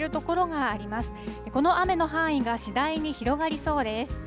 この雨の範囲が次第に広がりそうです。